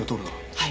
はい。